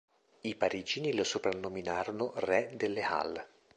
I parigini lo soprannominarono "Re delle Halles".